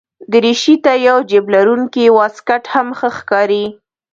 دریشي ته یو جېب لرونکی واسکټ هم ښه ښکاري.